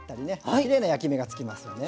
きれいな焼き目が付きますよね。